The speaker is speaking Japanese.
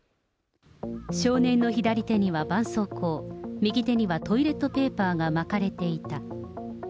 少年の左手にはばんそうこう、右手にはトイレットペーパーが巻かれていた。